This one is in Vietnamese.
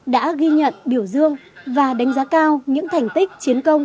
đã ghi nhận biểu dương và đánh giá cao những thành tích chiến công